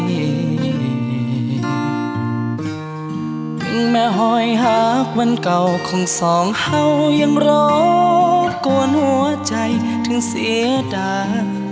แม่หอยหากวันเก่าคงสองเห่ายังรบกวนหัวใจถึงเสียดา